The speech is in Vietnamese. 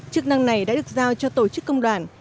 chức năng này đã được giao cho tổ chức công đoàn